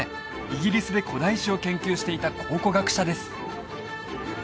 イギリスで古代史を研究していた考古学者です